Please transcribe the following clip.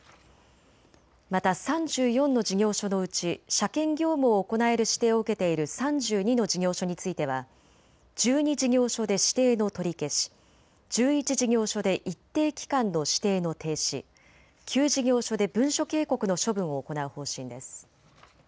また３４の事業所のうち車検業務を行える指定を受けている３２の事業所については１２事業所で指定の取り消し、１１事業所で一定期間の指定の停止、９事業所で文書警告の処分を行う方針です。